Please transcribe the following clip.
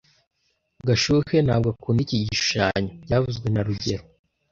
Gashuhe ntabwo akunda iki gishushanyo byavuzwe na rugero